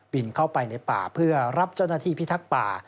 เข้าไปในป่าเพื่อรับเจ้าหน้าที่พิทักษ์ป่า